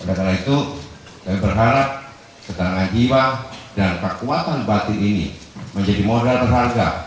oleh karena itu saya berharap ketenangan jiwa dan kekuatan batin ini menjadi modal berharga